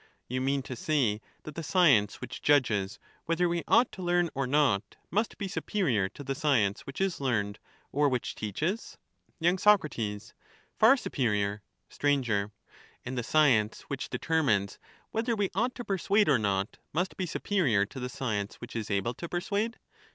You mean to say that the science which judges whether we ought to learn or not, must be superior to the science which is learned or which teaches ? Y. Soc. Far superior. Sir. And the science which determines whether we ought to persuade or not, must be superior to the science which is able to persuade